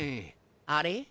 あれ？